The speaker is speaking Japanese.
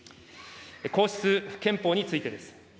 皇室・憲法についてです。